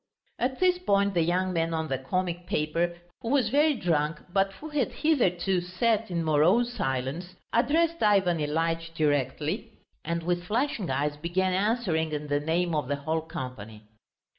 At this point the young man on the comic paper, who was very drunk but who had hitherto sat in morose silence, addressed Ivan Ilyitch directly, and with flashing eyes began answering in the name of the whole company.